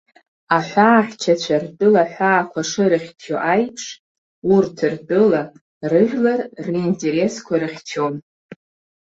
Аҳәаахьчацәа ртәыла аҳәаақәа шырыхьчо аиԥш, урҭ ртәыла, рыжәлар ринтересқәа рыхьчон.